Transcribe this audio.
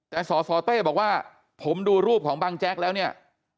แต่สสเต้บอกว่าผมดูรูปของบังแจ๊กแล้วเนี่ย